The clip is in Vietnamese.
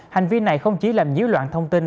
hành vi này không chỉ làm nhiếu loạn thông tin